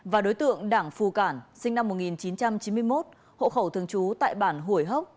và đối tượng đảng phù cảnh sinh năm một nghìn chín trăm chín mươi một hộ khẩu thường trú tại bản hủy hốc